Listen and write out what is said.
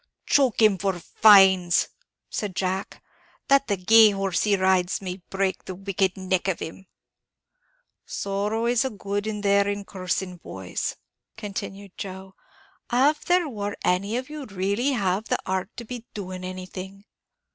"Choke him for fines!" said Jack; "that the gay horse he rides might break the wicked neck of him!" "Sorrow a good is there in cursing, boys," continued Joe. "Av there war any of you really'd have the heart to be doing anything!"